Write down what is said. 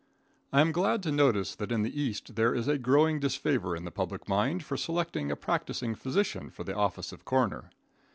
I am glad to notice that in the East there is a growing disfavor in the public mind for selecting a practicing physician for the office of coroner.